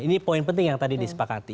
ini poin penting yang tadi disepakati